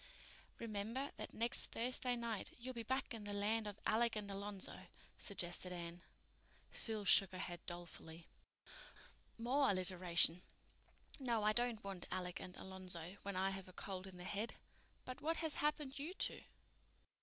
"Remember that next Thursday night, you'll be back in the land of Alec and Alonzo," suggested Anne. Phil shook her head dolefully. "More alliteration. No, I don't want Alec and Alonzo when I have a cold in the head. But what has happened you two?